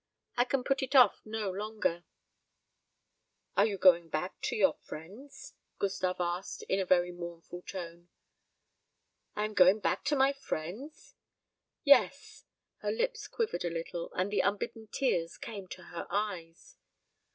I can put it off no longer." "And you are going back to your friends?" Gustave asked, in a very mournful tone. "I am going back to my friends? Yes!" Her lips quivered a little, and the unbidden tears came to her eyes.